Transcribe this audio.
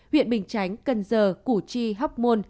huyện bình tránh cần giờ củ chi hóc môn